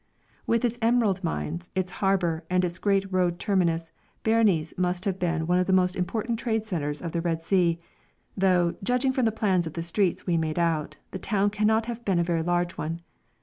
With its emerald mines, its harbour, and its great road terminus Berenice must have been one of the most important trade centres of the Red Sea; though, judging from the plans of the streets we made out, the town cannot have been a very large one.